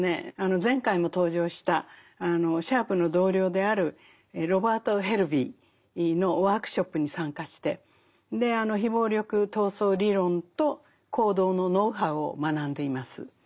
前回も登場したシャープの同僚であるロバート・ヘルヴィーのワークショップに参加して非暴力闘争理論と行動のノウハウを学んでいます。